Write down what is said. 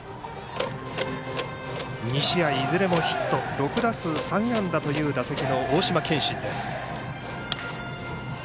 ２試合いずれもヒット６打数３安打という打席の大島健真です。